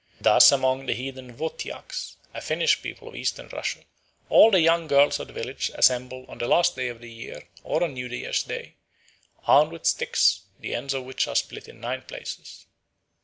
Thus among the heathen Wotyaks, a Finnish people of Eastern Russia, all the young girls of the village assemble on the last day of the year or on New Year's Day, armed with sticks, the ends of which are split in nine places.